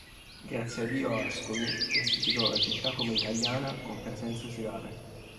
Graziadio Ascoli classificò la città come italiana con presenze slave.